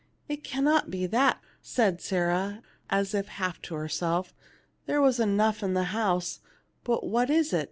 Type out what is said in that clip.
" It cannot be that/' said Sarah, as if half to herself; "there was enough in the house; but what is it